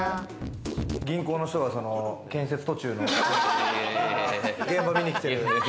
銀行の人が建設途中の現場、見に来てる。